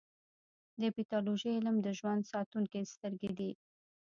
د پیتالوژي علم د ژوند ساتونکې سترګې دي.